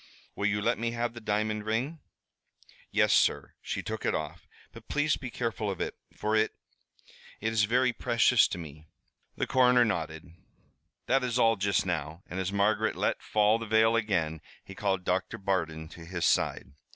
"Will you let me have the diamond ring?" "Yes, sir." She took it off. "But please be careful of it, for it it is very precious to me." The coroner nodded. "That is all just now," and as Margaret let fall the veil again, he called Doctor Bardon to his side.